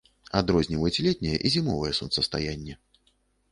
Адрозніваюць летняе і зімовае сонцастаянне.